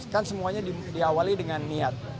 kan semuanya diawali dengan niat